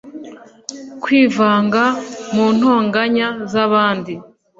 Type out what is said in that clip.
kwivanga mu ntonganya z'abandi